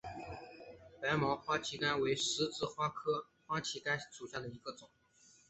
白毛花旗杆为十字花科花旗杆属下的一个种。